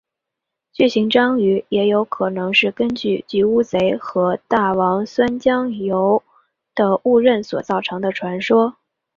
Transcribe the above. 巨型章鱼也有可能是根据巨乌贼和大王酸浆鱿的误认所造成的传说。